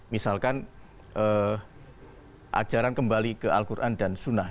misalkan ajaran kembali ke al quran dan sunnah